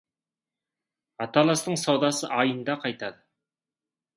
Аталастың саудасы айында қайтады.